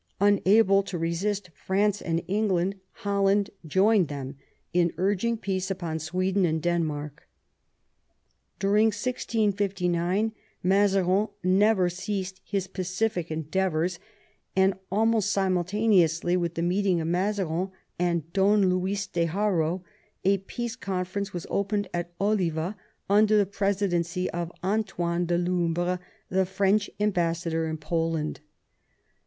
Unable to resist France and England, Holland joined them in urging peace upon Sweden and Denmark. During 1659 Mazarin never ceased his pacific en deavours, and almost simultaneously with the meeting of Mazarin and Don Luis de Haro a peace congress was opened at Oliva under the presidency of Antoine de Lumbres, the French ambassador in Poland.